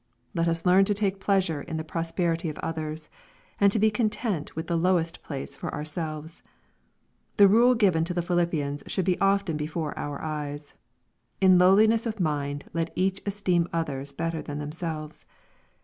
Let us learn to take pleasure in the prosperity of others, and to be content with the lowest place for ourselves. The rule given to the Philippians should be often before our eyes :—*• In lowliness of mind let each esteem others better than themselves."